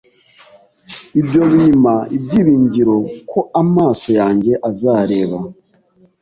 ibyo bimpa ibyiringiro ko amaso yanjye azareba